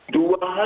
dua hari yang lalu